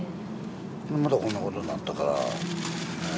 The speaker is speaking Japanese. またこんなことなったから。